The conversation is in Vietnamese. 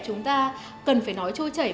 chúng ta cần phải nói trôi chảy